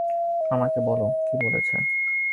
আমাকে বল কী বলেছে।